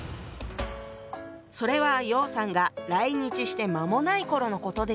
それは楊さんが来日して間もない頃のことでした。